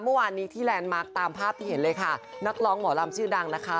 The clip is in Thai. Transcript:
เมื่อวานนี้ที่แลนด์มาร์คตามภาพที่เห็นเลยค่ะนักร้องหมอลำชื่อดังนะคะ